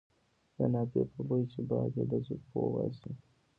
د نافې په بوی چې باد یې له زلفو وباسي.